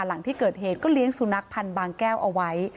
หลังที่เกิดเหตุก็เลี้ยงสุนัขพันธ์บางแก้วเอาไว้